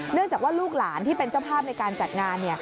จากว่าลูกหลานที่เป็นเจ้าภาพในการจัดงาน